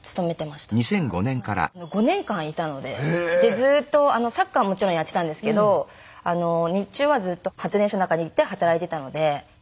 ずっとサッカーはもちろんやってたんですけど日中はずっと発電所の中にいて働いてたので。